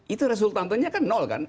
itu resultantonya kan nol kan